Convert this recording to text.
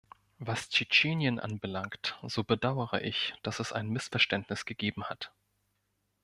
Was Tschetschenien anbelangt, so bedauere ich, dass es ein Missverständnis gegeben hat.